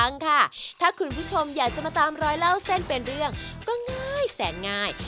ฟังค่ะถ้าคุณผู้ชมอยากจะมาตามรอยเล่าเส้นเป็นเรื่องก็ง่ายแสนง่าย